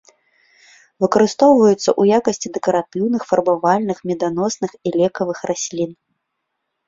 Выкарыстоўваюцца ў якасці дэкаратыўных, фарбавальных, меданосных і лекавых раслін.